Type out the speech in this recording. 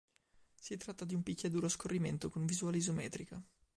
Si tratta di un picchiaduro a scorrimento con visuale isometrica.